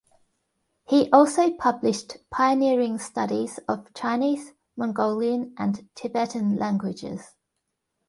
He also published pioneering studies of Chinese, Mongolian, and Tibetan languages.